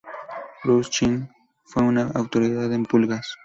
Rothschild fue una autoridad en pulgas.